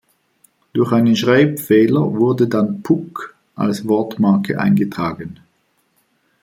Durch einen Schreibfehler wurde dann "Puk" als Wortmarke eingetragen.